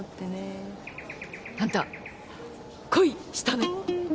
あんた恋したね？